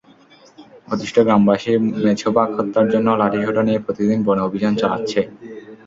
অতিষ্ঠ গ্রামবাসী মেছোবাঘ হত্যার জন্য লাঠিসোঁটা নিয়ে প্রতিদিন বনে অভিযান চালাচ্ছে।